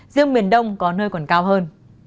riêng miền đông có nơi còn cao hơn